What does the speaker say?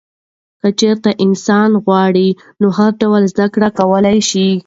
که چیرې انسان غواړي نو هر څه زده کولی شي.